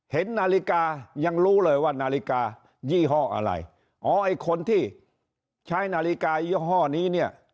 เห็นนาฬิกายังรู้เลยว่านาฬิกายี่ห้ออะไรอ๋อไอ้คนที่ใช้นาฬิกายี่ห้อนี้เนี่ย